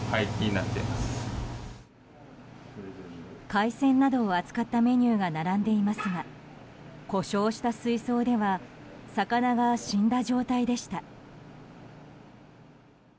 海鮮などを扱ったメニューが並んでいますが故障した水槽では魚が死んだ状態でした。